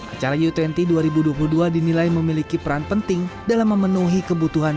acara u dua puluh dua ribu dua puluh dua dinilai memiliki peran penting dalam memenuhi kebutuhan